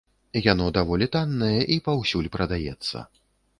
Яно даволі таннае і паўсюль прадаецца.